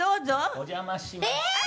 「お邪魔します」